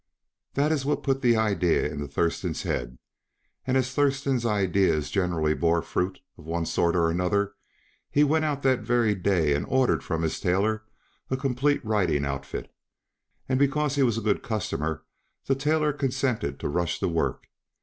That is what put the idea into Thurston's head; and as Thurston's ideas generally bore fruit of one sort or another, he went out that very day and ordered from his tailor a complete riding outfit, and because he was a good customer the tailor consented to rush the work.